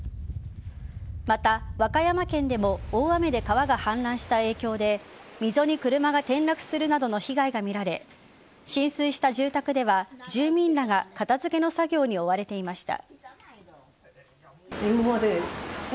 また、和歌山県でも大雨で川が氾濫した影響で溝に車が転落するなど被害が見られ浸水した住宅では住民らが片付けの作業に追われていました。